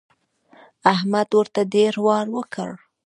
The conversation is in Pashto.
احمد ورته ډېر وار وکړ.